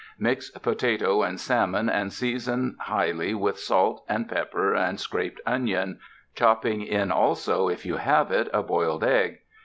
Mix potato and salmon and season highly with salt and pepper and scraped onion, chopping in also, if you have it, a boiled egg.